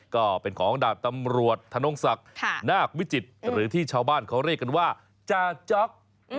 ก็เป็นของดาบตำรวจธนงศักดิ์นาควิจิตรหรือที่ชาวบ้านเขาเรียกกันว่าจาจ๊อก